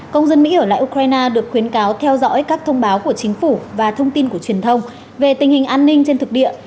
công dân mỹ ở lại ukraine được khuyến cáo theo dõi các thông báo của chính phủ và thông tin của truyền thông về tình hình an ninh trên thực địa